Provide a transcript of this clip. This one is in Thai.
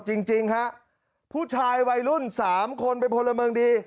จริงจริงฮะผู้ชายวัยรุ่นสามคนเป็นพลเมืองดี